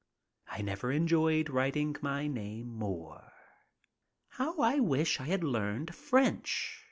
I never enjoyed writing my name more. How I wish that I had learned French.